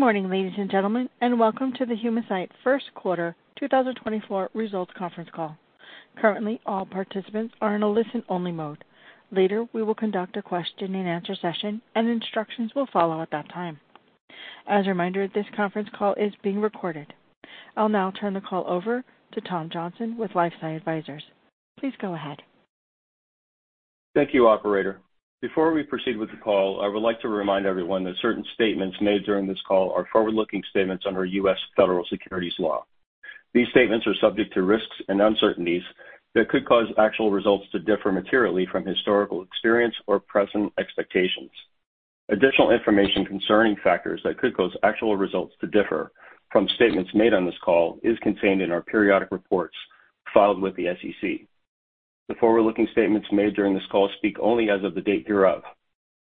Good morning, ladies and gentlemen, and welcome to the Humacyte first quarter 2024 results conference call. Currently, all participants are in a listen-only mode. Later, we will conduct a question-and-answer session, and instructions will follow at that time. As a reminder, this conference call is being recorded. I'll now turn the call over to Tom Johnson with LifeSci Advisors. Please go ahead. Thank you, operator. Before we proceed with the call, I would like to remind everyone that certain statements made during this call are forward-looking statements under U.S. Federal Securities Law. These statements are subject to risks and uncertainties that could cause actual results to differ materially from historical experience or present expectations. Additional information concerning factors that could cause actual results to differ from statements made on this call is contained in our periodic reports filed with the SEC. The forward-looking statements made during this call speak only as of the date thereof,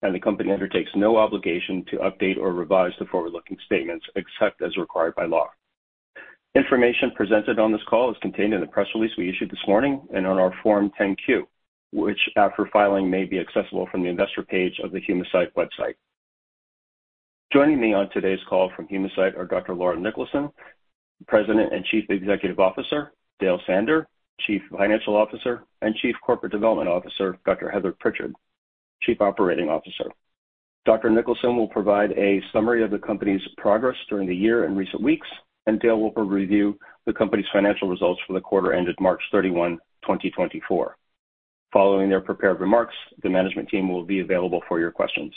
and the company undertakes no obligation to update or revise the forward-looking statements, except as required by law. Information presented on this call is contained in the press release we issued this morning and on our Form 10-Q, which, after filing, may be accessible from the investor page of the Humacyte website. Joining me on today's call from Humacyte are Dr. Laura Niklason, President and Chief Executive Officer, Dale Sander, Chief Financial Officer and Chief Corporate Development Officer, Dr. Heather Prichard, Chief Operating Officer. Dr. Niklason will provide a summary of the company's progress during the year in recent weeks, and Dale will review the company's financial results for the quarter ended March 31, 2024. Following their prepared remarks, the management team will be available for your questions.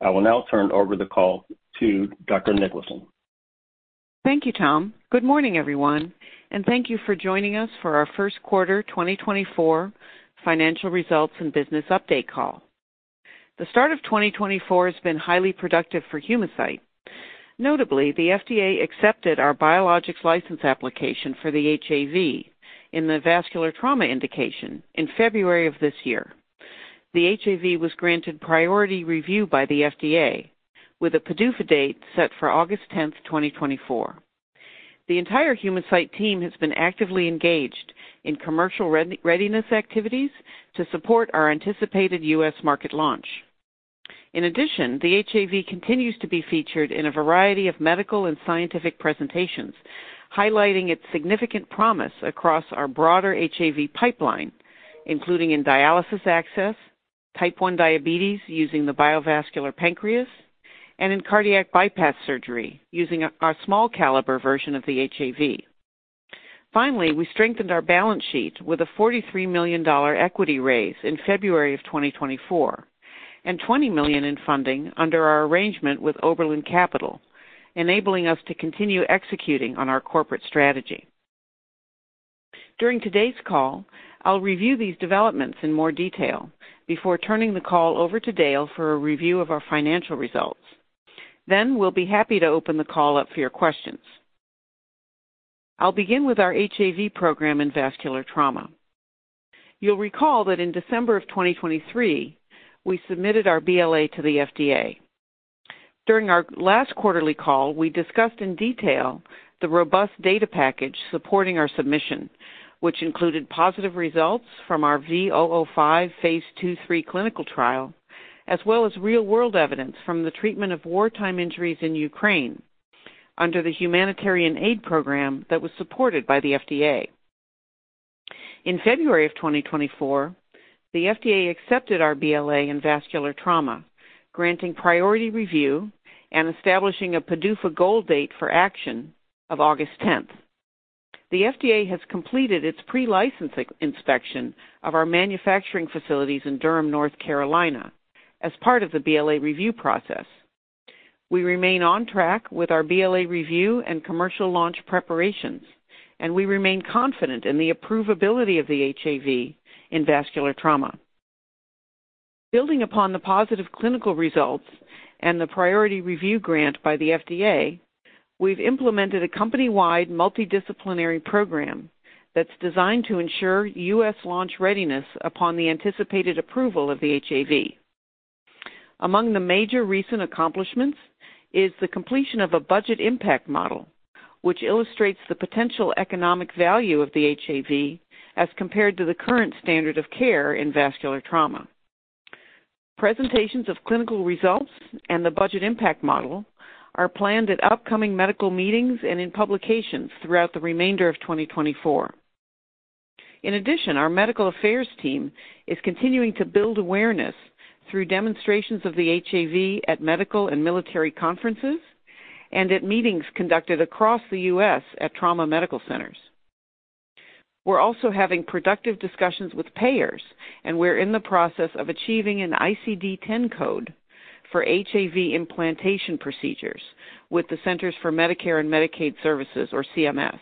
I will now turn over the call to Dr. Niklason. Thank you, Tom. Good morning, everyone, and thank you for joining us for our first quarter 2024 financial results and business update call. The start of 2024 has been highly productive for Humacyte. Notably, the FDA accepted our biologics license application for the HAV in the vascular trauma indication in February of this year. The HAV was granted priority review by the FDA, with a PDUFA date set for August 10, 2024. The entire Humacyte team has been actively engaged in commercial readiness activities to support our anticipated U.S. market launch. In addition, the HAV continues to be featured in a variety of medical and scientific presentations, highlighting its significant promise across our broader HAV pipeline, including in dialysis access, Type 1 diabetes, using the Biovascular Pancreas, and in cardiac bypass surgery, using our small caliber version of the HAV. Finally, we strengthened our balance sheet with a $43 million equity raise in February 2024, and $20 million in funding under our arrangement with Oberland Capital, enabling us to continue executing on our corporate strategy. During today's call, I'll review these developments in more detail before turning the call over to Dale for a review of our financial results. Then we'll be happy to open the call up for your questions. I'll begin with our HAV program in vascular trauma. You'll recall that in December 2023, we submitted our BLA to the FDA. During our last quarterly call, we discussed in detail the robust data package supporting our submission, which included positive results from our V005 phase II/III clinical trial, as well as real-world evidence from the treatment of wartime injuries in Ukraine under the humanitarian aid program that was supported by the FDA. In February 2024, the FDA accepted our BLA in vascular trauma, granting priority review and establishing a PDUFA goal date for action of August 10. The FDA has completed its pre-license inspection of our manufacturing facilities in Durham, North Carolina, as part of the BLA review process. We remain on track with our BLA review and commercial launch preparations, and we remain confident in the approvability of the HAV in vascular trauma. Building upon the positive clinical results and the priority review grant by the FDA, we've implemented a company-wide multidisciplinary program that's designed to ensure US launch readiness upon the anticipated approval of the HAV. Among the major recent accomplishments is the completion of a budget impact model, which illustrates the potential economic value of the HAV as compared to the current standard of care in vascular trauma. Presentations of clinical results and the budget impact model are planned at upcoming medical meetings and in publications throughout the remainder of 2024. In addition, our medical affairs team is continuing to build awareness through demonstrations of the HAV at medical and military conferences and at meetings conducted across the U.S. at trauma medical centers. We're also having productive discussions with payers, and we're in the process of achieving an ICD-10 code for HAV implantation procedures with the Centers for Medicare and Medicaid Services, or CMS.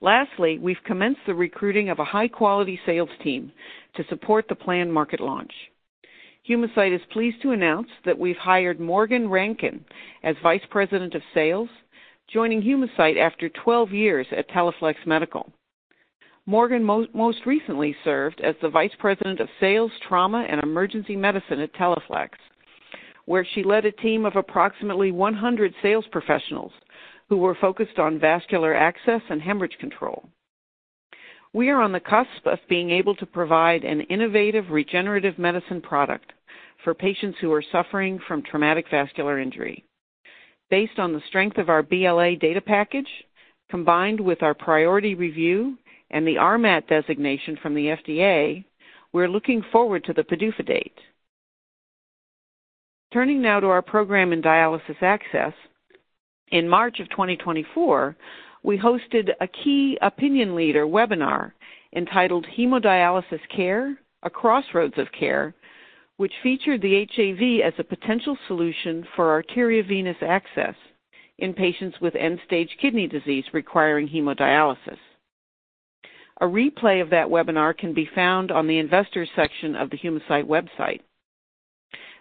Lastly, we've commenced the recruiting of a high-quality sales team to support the planned market launch. Humacyte is pleased to announce that we've hired Morgan Rankin as Vice President of Sales, joining Humacyte after 12 years at Teleflex Medical. Morgan most recently served as the Vice President of Sales, Trauma, and Emergency Medicine at Teleflex, where she led a team of approximately 100 sales professionals who were focused on vascular access and hemorrhage control. We are on the cusp of being able to provide an innovative regenerative medicine product for patients who are suffering from traumatic vascular injury. Based on the strength of our BLA data package, combined with our priority review and the RMAT designation from the FDA, we're looking forward to the PDUFA date. Turning now to our program in dialysis access. In March of 2024, we hosted a key opinion leader webinar entitled Hemodialysis Care: A Crossroads of Care, which featured the HAV as a potential solution for arteriovenous access in patients with end-stage renal disease requiring hemodialysis. A replay of that webinar can be found on the investors section of the Humacyte website.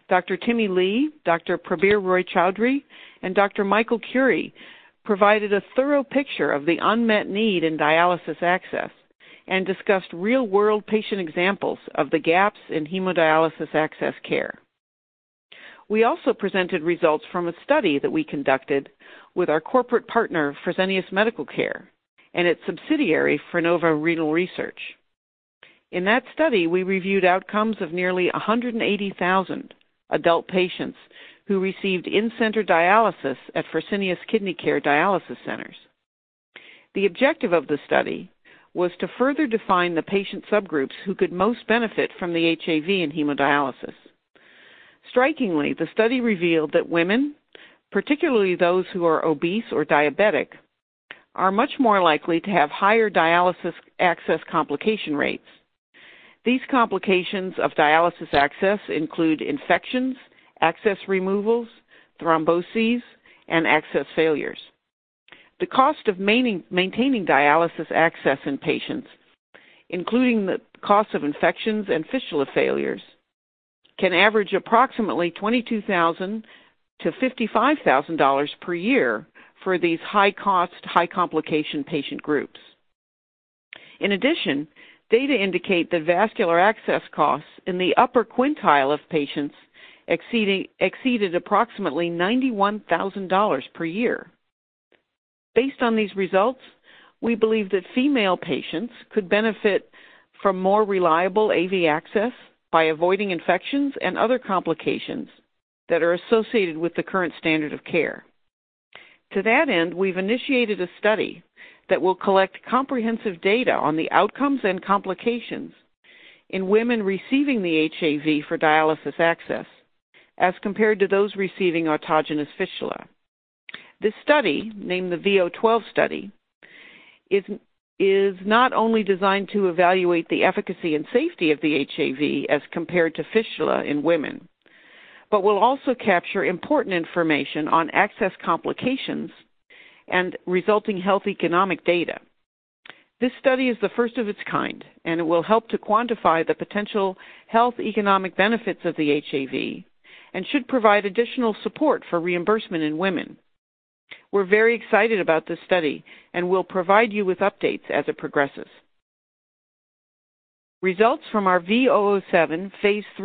Dr. Timmy Lee, Dr. Prabir Roy-Chaudhury, and Dr. Michael Curry provided a thorough picture of the unmet need in dialysis access and discussed real-world patient examples of the gaps in hemodialysis access care. We also presented results from a study that we conducted with our corporate partner, Fresenius Medical Care, and its subsidiary, Frenova Renal Research. In that study, we reviewed outcomes of nearly 180,000 adult patients who received in-center dialysis at Fresenius Kidney Care dialysis centers. The objective of the study was to further define the patient subgroups who could most benefit from the HAV in hemodialysis. Strikingly, the study revealed that women, particularly those who are obese or diabetic, are much more likely to have higher dialysis access complication rates. These complications of dialysis access include infections, access removals, thromboses, and access failures. The cost of maintaining dialysis access in patients, including the costs of infections and fistula failures, can average approximately $22,000-$55,000 per year for these high-cost, high-complication patient groups. In addition, data indicate that vascular access costs in the upper quintile of patients exceeded approximately $91,000 per year. Based on these results, we believe that female patients could benefit from more reliable AV access by avoiding infections and other complications that are associated with the current standard of care. To that end, we've initiated a study that will collect comprehensive data on the outcomes and complications in women receiving the HAV for dialysis access, as compared to those receiving autogenous fistula. This study, named the V012 study, is not only designed to evaluate the efficacy and safety of the HAV as compared to fistula in women, but will also capture important information on access complications and resulting health economic data. This study is the first of its kind, and it will help to quantify the potential health economic benefits of the HAV and should provide additional support for reimbursement in women. We're very excited about this study, and we'll provide you with updates as it progresses. Results from our V007 Phase III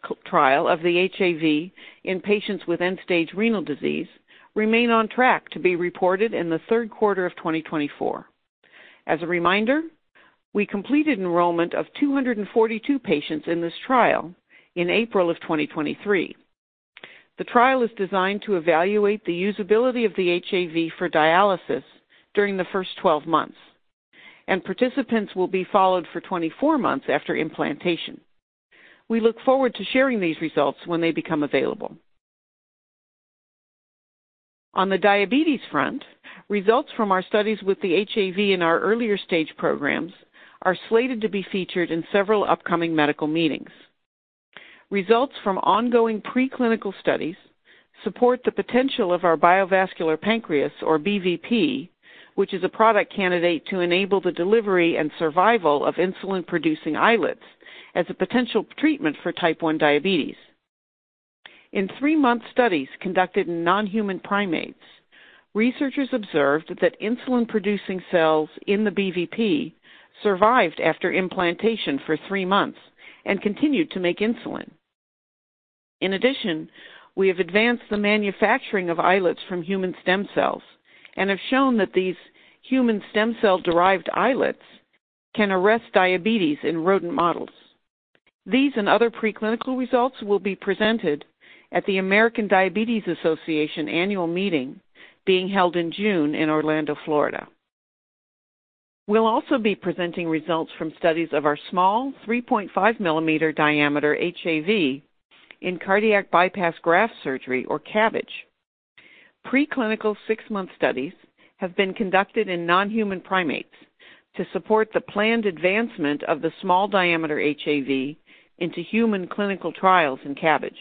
clinical trial of the HAV in patients with end-stage renal disease remain on track to be reported in the third quarter of 2024. As a reminder, we completed enrollment of 242 patients in this trial in April of 2023. The trial is designed to evaluate the usability of the HAV for dialysis during the first 12 months, and participants will be followed for 24 months after implantation. We look forward to sharing these results when they become available. On the diabetes front, results from our studies with the HAV in our earlier stage programs are slated to be featured in several upcoming medical meetings. Results from ongoing preclinical studies support the potential of our Biovascular Pancreas, or BVP, which is a product candidate to enable the delivery and survival of insulin-producing islets as a potential treatment for type 1 diabetes. In 3-month studies conducted in non-human primates, researchers observed that insulin-producing cells in the BVP survived after implantation for 3 months and continued to make insulin. In addition, we have advanced the manufacturing of islets from human stem cells and have shown that these human stem cell-derived islets can arrest diabetes in rodent models. These and other preclinical results will be presented at the American Diabetes Association annual meeting being held in June in Orlando, Florida. We'll also be presenting results from studies of our small 3.5-millimeter diameter HAV in cardiac bypass graft surgery, or CABG. Preclinical 6-month studies have been conducted in non-human primates to support the planned advancement of the small diameter HAV into human clinical trials in CABG.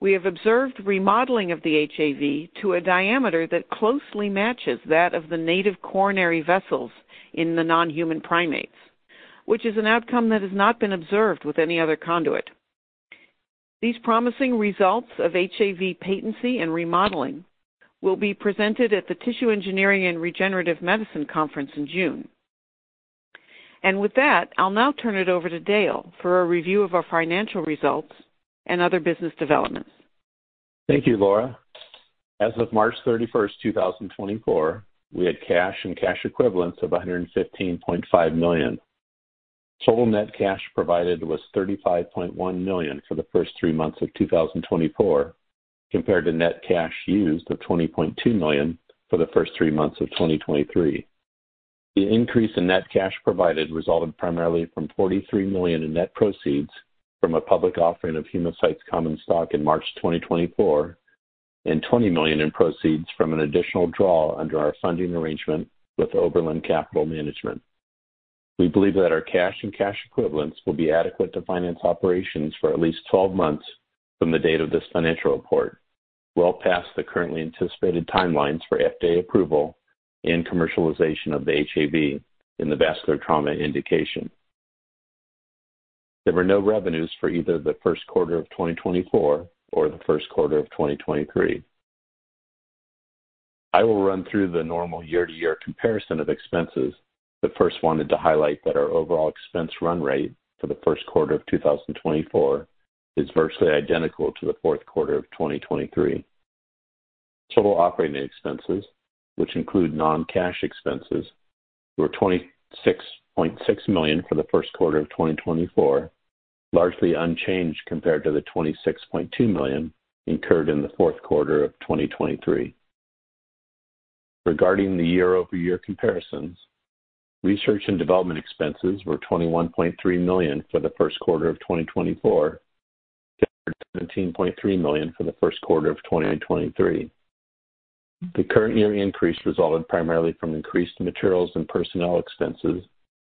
We have observed remodeling of the HAV to a diameter that closely matches that of the native coronary vessels in the non-human primates, which is an outcome that has not been observed with any other conduit. These promising results of HAV patency and remodeling will be presented at the Tissue Engineering and Regenerative Medicine Conference in June. And with that, I'll now turn it over to Dale for a review of our financial results and other business developments. Thank you, Laura. As of March 31st, 2024, we had cash and cash equivalents of $115.5 million. Total net cash provided was $35.1 million for the first three months of 2024, compared to net cash used of $20.2 million for the first three months of 2023. The increase in net cash provided resulted primarily from $43 million in net proceeds from a public offering of Humacyte's common stock in March 2024, and $20 million in proceeds from an additional draw under our funding arrangement with Oberland Capital Management. We believe that our cash and cash equivalents will be adequate to finance operations for at least 12 months from the date of this financial report, well past the currently anticipated timelines for FDA approval and commercialization of the HAV in the vascular trauma indication. There were no revenues for either the first quarter of 2024 or the first quarter of 2023. I will run through the normal year-to-year comparison of expenses, but first wanted to highlight that our overall expense run rate for the first quarter of 2024 is virtually identical to the fourth quarter of 2023. Total operating expenses, which include non-cash expenses, were $26.6 million for the first quarter of 2024, largely unchanged compared to the $26.2 million incurred in the fourth quarter of 2023. Regarding the year-over-year comparisons, research and development expenses were $21.3 million for the first quarter of 2024, compared to $17.3 million for the first quarter of 2023. The current year increase resulted primarily from increased materials and personnel expenses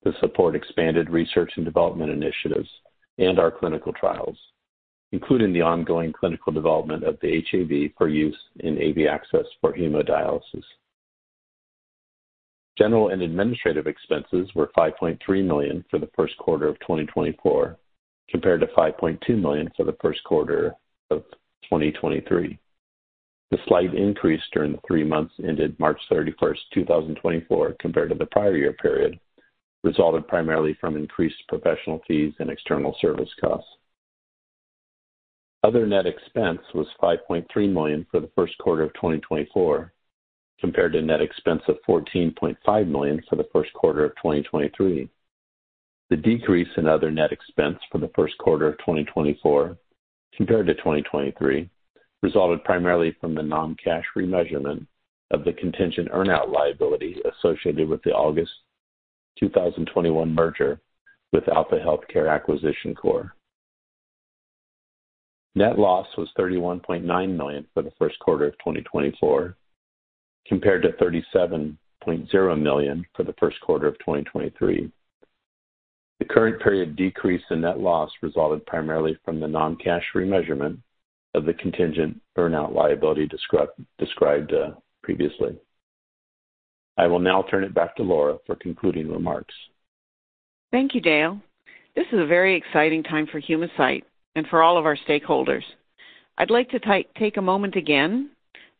to support expanded research and development initiatives and our clinical trials, including the ongoing clinical development of the HAV for use in AV access for hemodialysis. General and administrative expenses were $5.3 million for the first quarter of 2024, compared to $5.2 million for the first quarter of 2023. The slight increase during the three months ended March 31, 2024, compared to the prior year period, resulted primarily from increased professional fees and external service costs. Other net expense was $5.3 million for the first quarter of 2024, compared to net expense of $14.5 million for the first quarter of 2023. The decrease in other net expense for the first quarter of 2024 compared to 2023 resulted primarily from the non-cash remeasurement of the contingent earn-out liability associated with the August 2021 merger with Alpha Healthcare Acquisition Corp. Net loss was $31.9 million for the first quarter of 2024, compared to $37.0 million for the first quarter of 2023. The current period decrease in net loss resulted primarily from the non-cash remeasurement of the contingent earn-out liability described previously. I will now turn it back to Laura for concluding remarks. Thank you, Dale. This is a very exciting time for Humacyte and for all of our stakeholders. I'd like to take a moment again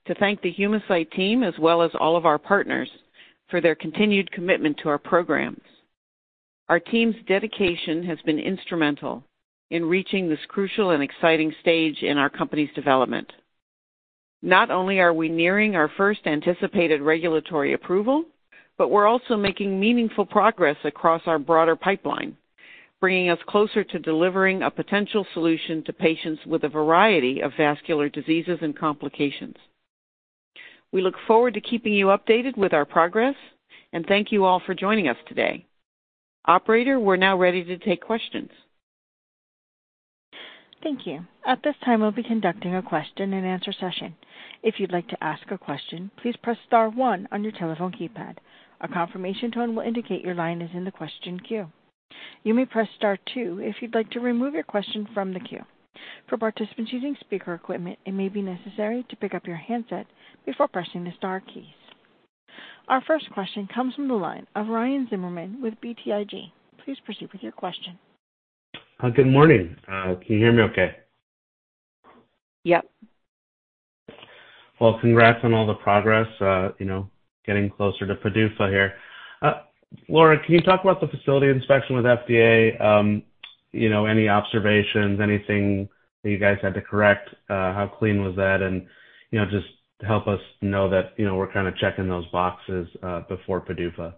to thank the Humacyte team, as well as all of our partners, for their continued commitment to our programs. Our team's dedication has been instrumental in reaching this crucial and exciting stage in our company's development. Not only are we nearing our first anticipated regulatory approval, but we're also making meaningful progress across our broader pipeline, bringing us closer to delivering a potential solution to patients with a variety of vascular diseases and complications. We look forward to keeping you updated with our progress, and thank you all for joining us today. Operator, we're now ready to take questions. Thank you. At this time, we'll be conducting a question and answer session. If you'd like to ask a question, please press star one on your telephone keypad. A confirmation tone will indicate your line is in the question queue. You may press star two if you'd like to remove your question from the queue. For participants using speaker equipment, it may be necessary to pick up your handset before pressing the star keys. Our first question comes from the line of Ryan Zimmerman with BTIG. Please proceed with your question. Good morning. Can you hear me okay? Yep. Well, congrats on all the progress, you know, getting closer to PDUFA here. Laura, can you talk about the facility inspection with FDA? You know, any observations, anything that you guys had to correct? How clean was that? And, you know, just help us know that, you know, we're kind of checking those boxes, before PDUFA.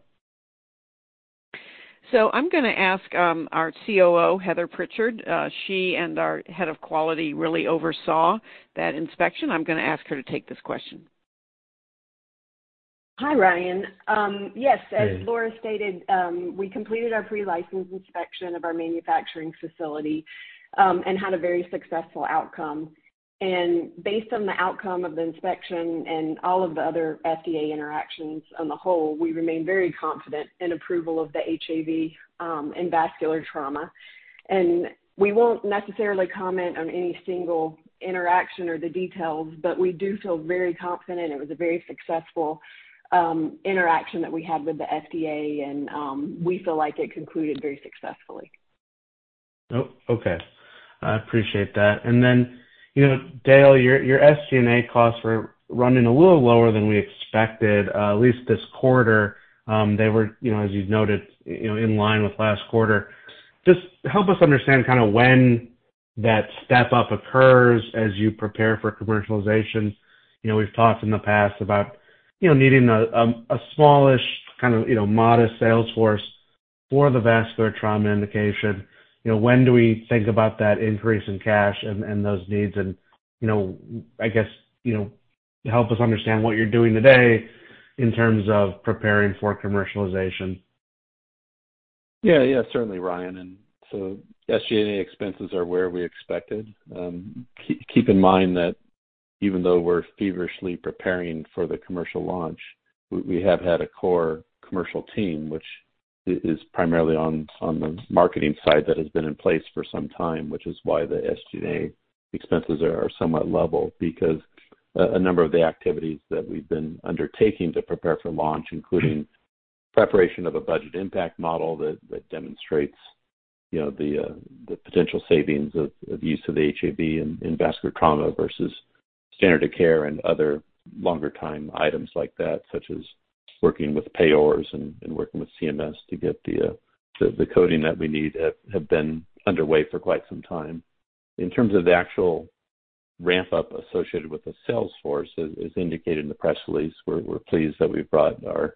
So I'm going to ask our COO, Heather Prichard. She and our head of quality really oversaw that inspection. I'm going to ask her to take this question. Hi, Ryan. Yes, as Laura stated, we completed our pre-license inspection of our manufacturing facility, and had a very successful outcome. Based on the outcome of the inspection and all of the other FDA interactions on the whole, we remain very confident in approval of the HAV, in vascular trauma. We won't necessarily comment on any single interaction or the details, but we do feel very confident. It was a very successful interaction that we had with the FDA, and we feel like it concluded very successfully. Oh, okay. I appreciate that. And then, you know, Dale, your SG&A costs were running a little lower than we expected, at least this quarter. They were, you know, as you've noted, you know, in line with last quarter. Just help us understand kind of when that step up occurs as you prepare for commercialization. You know, we've talked in the past about, you know, needing a smallish kind of, you know, modest sales force for the vascular trauma indication. You know, when do we think about that increase in cash and those needs and, you know, I guess, you know, help us understand what you're doing today in terms of preparing for commercialization. Yeah. Yeah, certainly, Ryan. And so SG&A expenses are where we expected. Keep in mind that even though we're feverishly preparing for the commercial launch, we have had a core commercial team, which is primarily on the marketing side, that has been in place for some time, which is why the SG&A expenses are somewhat level. Because a number of the activities that we've been undertaking to prepare for launch, including preparation of a budget impact model that demonstrates, you know, the potential savings of use of the HAV in vascular trauma versus standard of care and other longer time items like that, such as working with payers and working with CMS to get the coding that we need, have been underway for quite some time. In terms of the actual ramp-up associated with the sales force, as indicated in the press release, we're pleased that we've brought our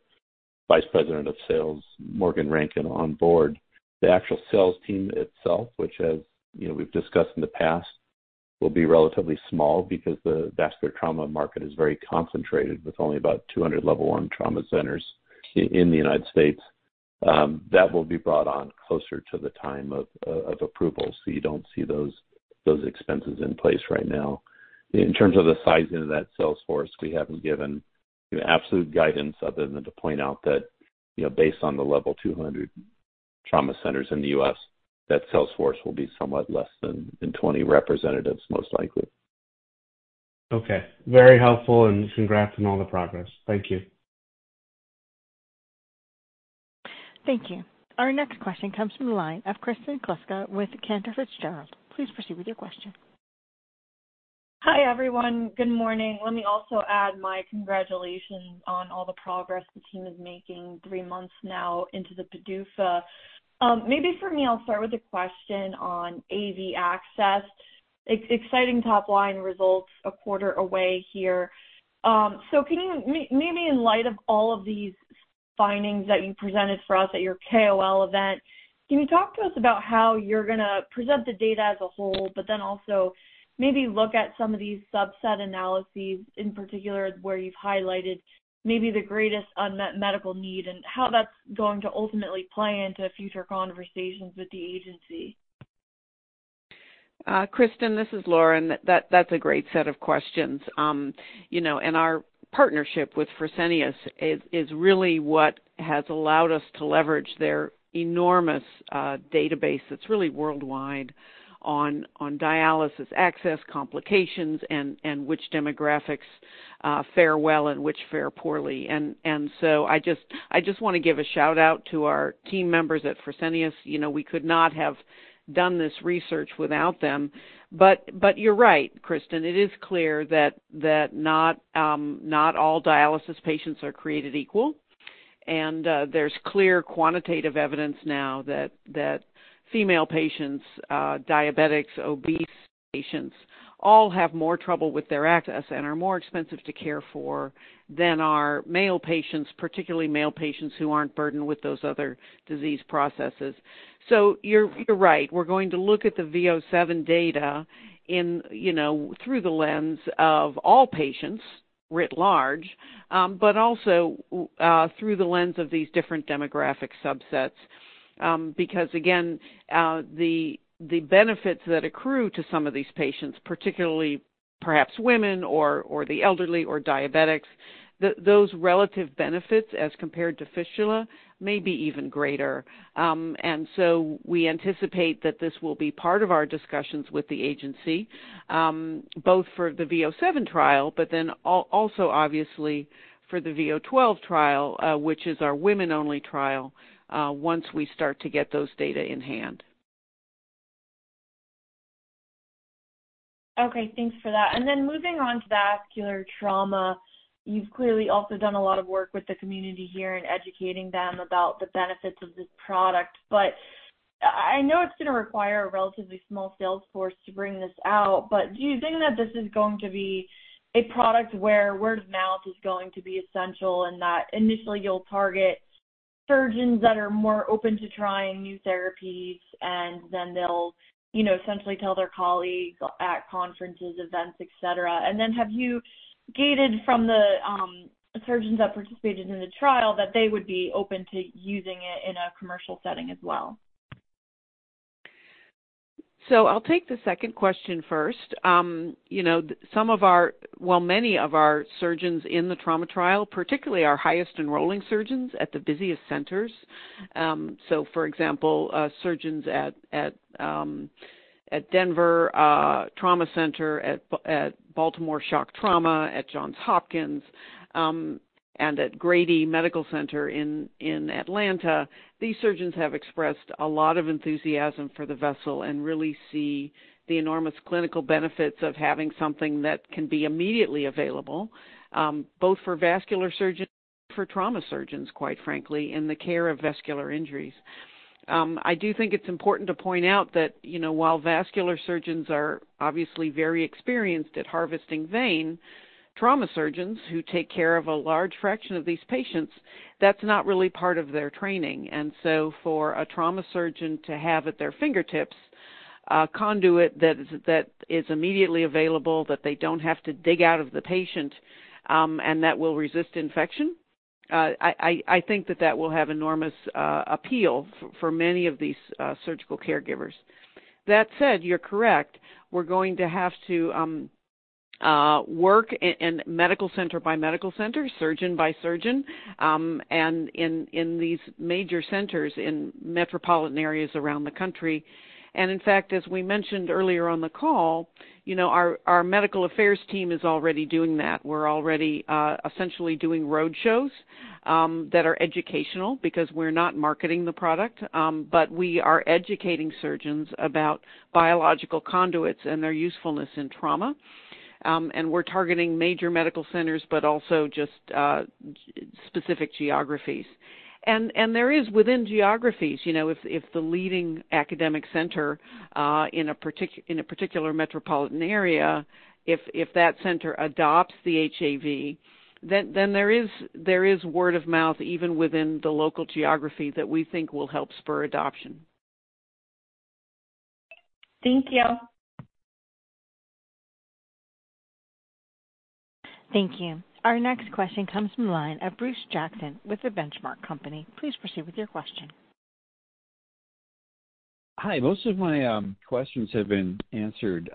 Vice President of Sales, Morgan Rankin, on board. The actual sales team itself, which as, you know, we've discussed in the past, will be relatively small because the vascular trauma market is very concentrated, with only about 200 level one trauma centers in the United States. That will be brought on closer to the time of approval. So you don't see those expenses in place right now. In terms of the sizing of that sales force, we haven't given, you know, absolute guidance other than to point out that, you know, based on the 200 level one trauma centers in the US, that sales force will be somewhat less than 20 representatives, most likely. Okay, very helpful, and congrats on all the progress. Thank you. Thank you. Our next question comes from the line of Kristen Kluska with Cantor Fitzgerald. Please proceed with your question. Hi, everyone. Good morning. Let me also add my congratulations on all the progress the team is making three months now into the PDUFA. Maybe for me, I'll start with a question on AV access. Exciting top line results a quarter away here. So can you, maybe in light of all of these findings that you presented for us at your KOL event, can you talk to us about how you're gonna present the data as a whole, but then also maybe look at some of these subset analyses, in particular, where you've highlighted maybe the greatest unmet medical need, and how that's going to ultimately play into future conversations with the agency? Kristen, this is Lauren. That's a great set of questions. You know, and our partnership with Fresenius is really what has allowed us to leverage their enormous database that's really worldwide on dialysis access, complications, and which demographics fare well and which fare poorly. And so I just wanna give a shout-out to our team members at Fresenius. You know, we could not have done this research without them. But you're right, Kristen, it is clear that not all dialysis patients are created equal. And there's clear quantitative evidence now that female patients, diabetics, obese patients, all have more trouble with their access and are more expensive to care for than are male patients, particularly male patients who aren't burdened with those other disease processes. So you're right. We're going to look at the V007 data in, you know, through the lens of all patients, writ large, but also through the lens of these different demographic subsets. Because again, the benefits that accrue to some of these patients, particularly perhaps women or the elderly or diabetics, those relative benefits, as compared to fistula, may be even greater. And so we anticipate that this will be part of our discussions with the agency, both for the V007 trial, but then also obviously for the V012 trial, which is our women-only trial, once we start to get those data in hand. Okay, thanks for that. And then moving on to vascular trauma, you've clearly also done a lot of work with the community here in educating them about the benefits of this product. But I know it's gonna require a relatively small sales force to bring this out, but do you think that this is going to be a product where word of mouth is going to be essential, and that initially you'll target surgeons that are more open to trying new therapies, and then they'll, you know, essentially tell their colleagues at conferences, events, et cetera? And then, have you gated from the surgeons that participated in the trial, that they would be open to using it in a commercial setting as well? So I'll take the second question first. You know, well, many of our surgeons in the trauma trial, particularly our highest enrolling surgeons at the busiest centers, so for example, surgeons at Denver Trauma Center, at Baltimore Shock Trauma, at Johns Hopkins, and at Grady Medical Center in Atlanta, these surgeons have expressed a lot of enthusiasm for the vessel and really see the enormous clinical benefits of having something that can be immediately available both for trauma surgeons, quite frankly, in the care of vascular injuries. I do think it's important to point out that, you know, while vascular surgeons are obviously very experienced at harvesting vein, trauma surgeons who take care of a large fraction of these patients, that's not really part of their training. And so for a trauma surgeon to have at their fingertips, a conduit that is immediately available, that they don't have to dig out of the patient, and that will resist infection, I think that will have enormous appeal for many of these surgical caregivers. That said, you're correct. We're going to have to work in medical center by medical center, surgeon by surgeon, and in these major centers in metropolitan areas around the country. And in fact, as we mentioned earlier on the call, you know, our medical affairs team is already doing that. We're already essentially doing road shows that are educational because we're not marketing the product, but we are educating surgeons about biological conduits and their usefulness in trauma. and we're targeting major medical centers, but also just specific geographies. And there is, within geographies, you know, if the leading academic center in a particular metropolitan area, if that center adopts the HAV, then there is word of mouth, even within the local geography, that we think will help spur adoption. Thank you. Thank you. Our next question comes from the line of Bruce Jackson with The Benchmark Company. Please proceed with your question. Hi. Most of my questions have been answered.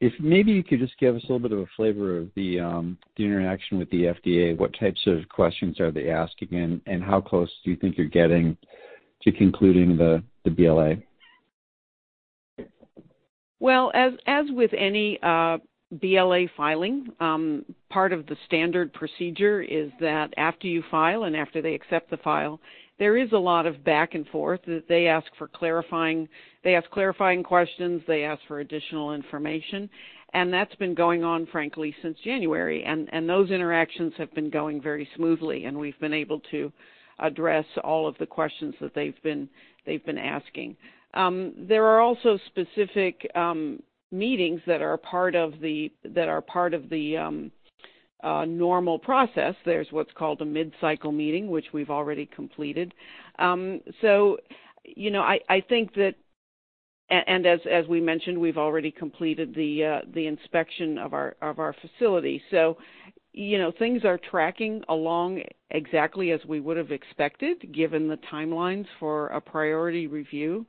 If maybe you could just give us a little bit of a flavor of the interaction with the FDA. What types of questions are they asking, and how close do you think you're getting to concluding the BLA? Well, as with any BLA filing, part of the standard procedure is that after you file and after they accept the file, there is a lot of back and forth, that they ask for clarifying questions, they ask for additional information, and that's been going on, frankly, since January. And those interactions have been going very smoothly, and we've been able to address all of the questions that they've been asking. There are also specific meetings that are a part of the normal process. There's what's called a mid-cycle meeting, which we've already completed. So, you know, I think that... And as we mentioned, we've already completed the inspection of our facility. So, you know, things are tracking along exactly as we would have expected, given the timelines for a Priority Review.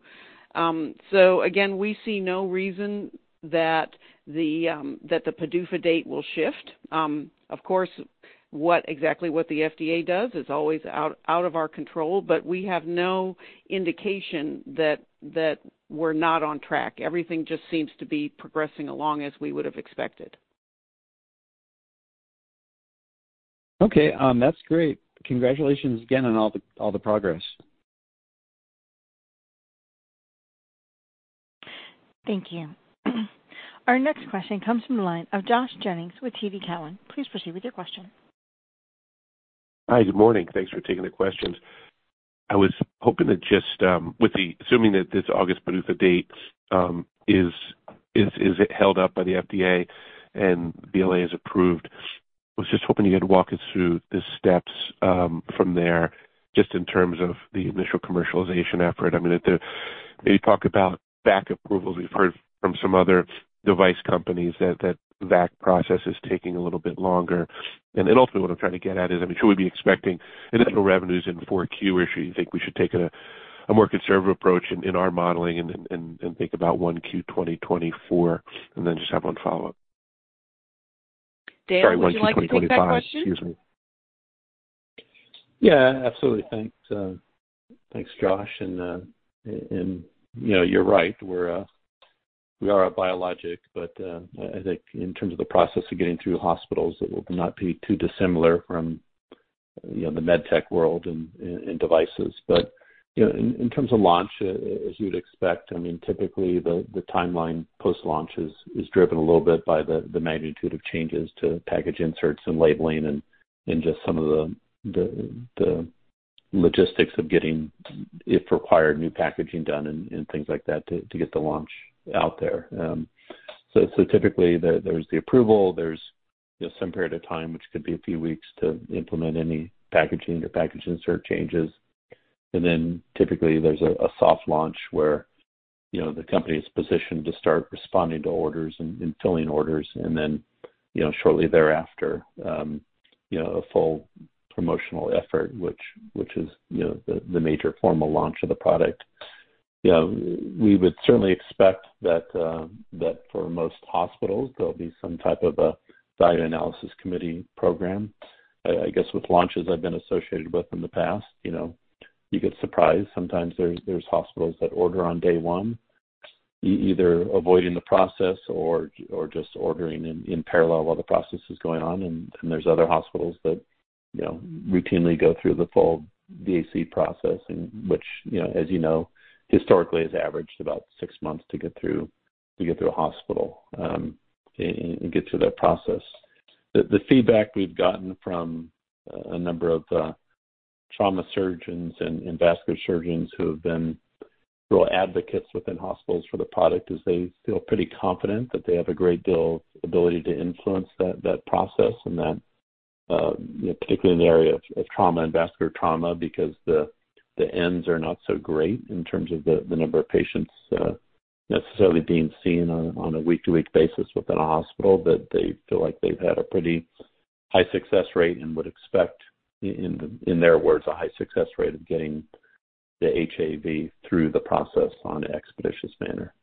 So again, we see no reason that the that the PDUFA date will shift. Of course, what exactly what the FDA does is always out out of our control, but we have no indication that that we're not on track. Everything just seems to be progressing along as we would've expected. Okay. That's great. Congratulations again on all the, all the progress. Thank you. Our next question comes from the line of Josh Jennings with TD Cowen. Please proceed with your question. Hi, good morning. Thanks for taking the questions. I was hoping to just with the assuming that this August PDUFA date is it held up by the FDA and BLA is approved, I was just hoping you could walk us through the steps from there, just in terms of the initial commercialization effort. I mean, at the they talk about VAC approvals. We've heard from some other device companies that that VAC process is taking a little bit longer. And then ultimately, what I'm trying to get at is, I mean, should we be expecting initial revenues in 4Q, or should you think we should take a more conservative approach in our modeling and then think about Q1 2024, and then just have one follow-up. Dale, would you like to take that question? Sorry, 1Q 2025. Excuse me. Yeah, absolutely. Thanks, thanks, Josh. And, and you know, you're right, we're a, we are a biologic, but, I, I think in terms of the process of getting through hospitals, it will not be too dissimilar from, you know, the med tech world and, and devices. But, you know, in, in terms of launch, as you'd expect, I mean, typically the, the timeline post-launch is, is driven a little bit by the, the magnitude of changes to package inserts and labeling and, and just some of the, the, the logistics of getting, if required, new packaging done and, and things like that to, to get the launch out there. So, so typically there, there's the approval, there's, you know, some period of time, which could be a few weeks, to implement any packaging or package insert changes. Then typically there's a soft launch where, you know, the company is positioned to start responding to orders and filling orders. And then, you know, shortly thereafter, you know, a full promotional effort, which is, you know, the major formal launch of the product. You know, we would certainly expect that for most hospitals, there'll be some type of a value analysis committee program. I guess with launches I've been associated with in the past, you know, you get surprised. Sometimes there's hospitals that order on day one, either avoiding the process or just ordering in parallel while the process is going on. And there's other hospitals that, you know, routinely go through the full VAC process, and which, you know, as you know, historically has averaged about six months to get through. To get to a hospital, and get through that process. The feedback we've gotten from a number of trauma surgeons and vascular surgeons who have been real advocates within hospitals for the product is they feel pretty confident that they have a great deal of ability to influence that process. And that, you know, particularly in the area of trauma and vascular trauma, because the ends are not so great in terms of the number of patients necessarily being seen on a week-to-week basis within a hospital. But they feel like they've had a pretty high success rate and would expect, in their words, a high success rate of getting the HAV through the process in an expeditious manner.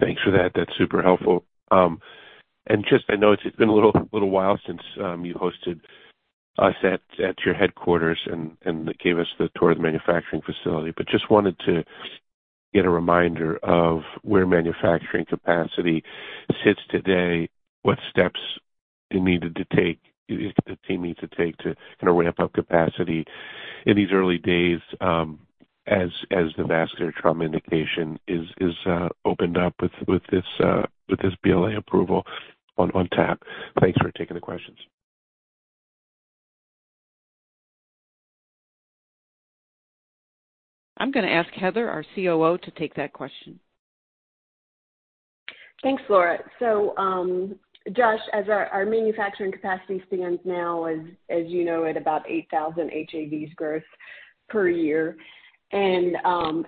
Thanks for that. That's super helpful. And just I know it's been a little, little while since you hosted us at, at your headquarters and, and gave us the tour of the manufacturing facility. But just wanted to get a reminder of where manufacturing capacity sits today, what steps you needed to take, the team needs to take to kind of ramp up capacity in these early days, as, as the vascular trauma indication is, is opened up with, with this, with this BLA approval on, on tap. Thanks for taking the questions. I'm gonna ask Heather, our COO, to take that question. Thanks, Laura. So, Josh, as our manufacturing capacity stands now, as you know, at about 8,000 HAVs growth per year. And,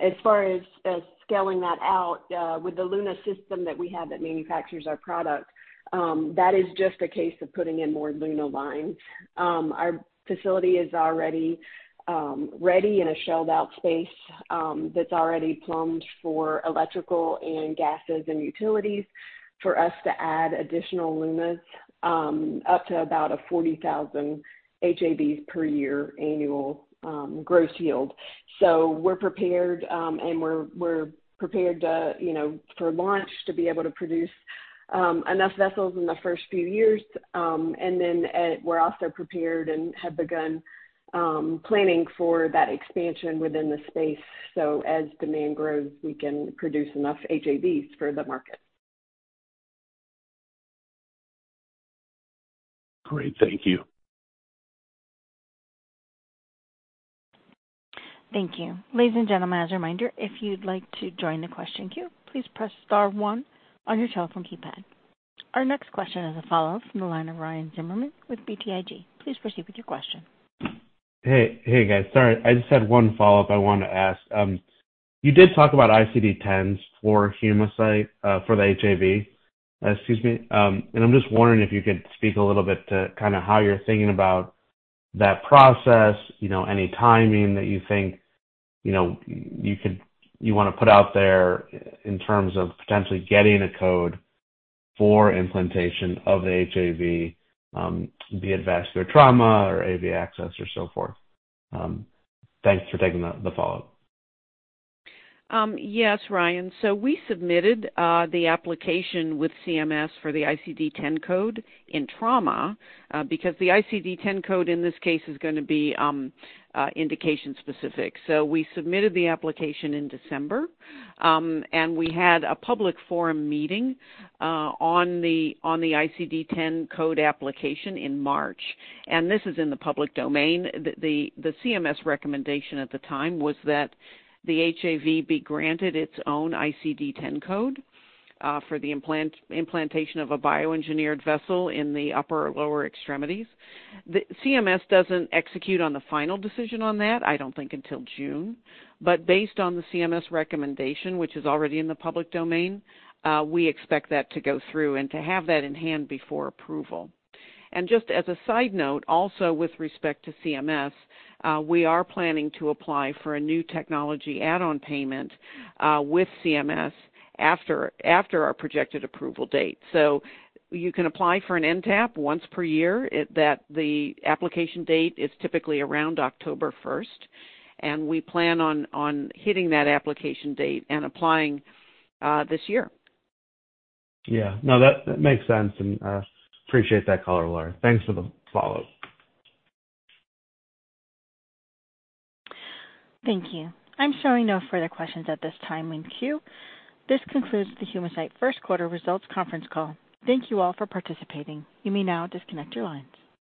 as far as scaling that out, with the LUNA system that we have that manufactures our product, that is just a case of putting in more LUNA lines. Our facility is already ready in a shelled-out space, that's already plumbed for electrical and gases and utilities for us to add additional LUNAs, up to about a 40,000 HAVs per year annual gross yield. So we're prepared, and we're prepared to, you know, for launch, to be able to produce enough vessels in the first few years. And then, we're also prepared and have begun planning for that expansion within the space. As demand grows, we can produce enough HAVs for the market. Great. Thank you. Thank you. Ladies and gentlemen, as a reminder, if you'd like to join the question queue, please press star one on your telephone keypad. Our next question is a follow-up from the line of Ryan Zimmerman with BTIG. Please proceed with your question. Hey, hey, guys. Sorry, I just had one follow-up I wanted to ask. You did talk about ICD-10s for Humacyte, for the HAV, excuse me. And I'm just wondering if you could speak a little bit to kind of how you're thinking about that process, you know, any timing that you think, you know, you could... You want to put out there in terms of potentially getting a code for implantation of the HAV, be it vascular trauma or AV access or so forth? Thanks for taking the follow-up. Yes, Ryan. So we submitted the application with CMS for the ICD-10 code in trauma, because the ICD-10 code in this case is gonna be indication specific. So we submitted the application in December, and we had a public forum meeting on the ICD-10 code application in March. And this is in the public domain. The CMS recommendation at the time was that the HAV be granted its own ICD-10 code for the implantation of a bioengineered vessel in the upper or lower extremities. The CMS doesn't execute on the final decision on that, I don't think, until June. But based on the CMS recommendation, which is already in the public domain, we expect that to go through and to have that in hand before approval. Just as a side note, also with respect to CMS, we are planning to apply for a new technology add-on payment with CMS after our projected approval date. So you can apply for an NTAP once per year. That the application date is typically around October first, and we plan on hitting that application date and applying this year. Yeah. No, that, that makes sense. And, appreciate that color, Laura. Thanks for the follow-up. Thank you. I'm showing no further questions at this time in queue. This concludes the Humacyte First Quarter Results conference call. Thank you all for participating. You may now disconnect your lines.